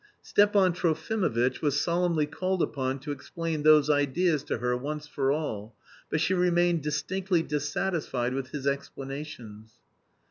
Stepan Trofimovitch was solemnly called upon to explain "these ideas" to her once for all, but she remained distinctly dissatisfied with his explanations.